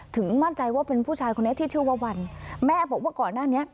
มั่นใจว่าเป็นผู้ชายคนนี้ที่ชื่อว่าวันแม่บอกว่าก่อนหน้านี้